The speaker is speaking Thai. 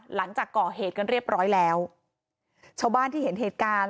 หลังจากก่อเหตุกันเรียบร้อยแล้วชาวบ้านที่เห็นเหตุการณ์